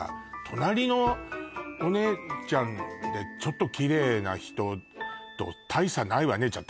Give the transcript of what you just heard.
隣のおねえちゃんでちょっとキレイな人と大差ないわねじゃ